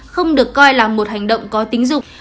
không được coi là một hành động có tính dục